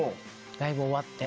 ライブ終わって。